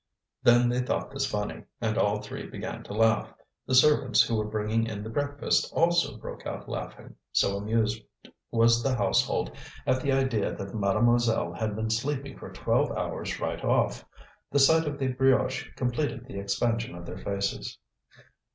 Then they thought this funny, and all three began to laugh; the servants who were bringing in the breakfast also broke out laughing, so amused was the household at the idea that mademoiselle had been sleeping for twelve hours right off. The sight of the brioche completed the expansion of their faces.